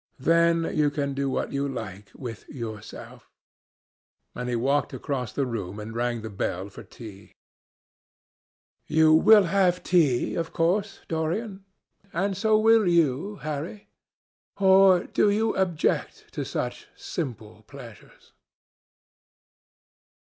Then you can do what you like with yourself." And he walked across the room and rang the bell for tea. "You will have tea, of course, Dorian? And so will you, Harry? Or do you object to such simple pleasures?"